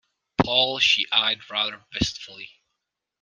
Paul she eyed rather wistfully.